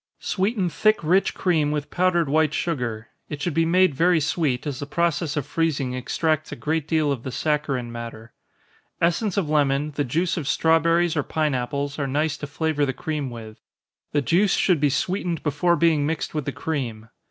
_ Sweeten thick rich cream with powdered white sugar it should be made very sweet, as the process of freezing extracts a great deal of the saccharine matter. Essence of lemon, the juice of strawberries or pine apples, are nice to flavor the cream with the juice should be sweetened before being mixed with the cream.